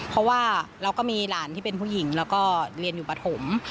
เพราะว่าเราก็มีหลานที่เป็นผู้หญิงแล้วก็เรียนอยู่ปฐม